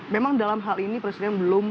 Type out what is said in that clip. memang dalam hal ini presiden belum